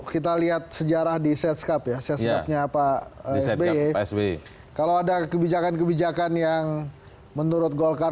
kita lihat sejarah di setskap ya seskapnya pak sby kalau ada kebijakan kebijakan yang menurut golkar